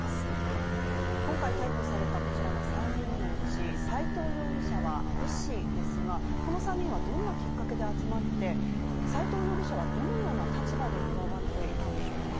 今回、逮捕された、こちらの３人のうち斎藤容疑者は医師ですが、この３人はどんなきっかけで集まって斎藤容疑者はどのような立場で加わっていたんでしょうか。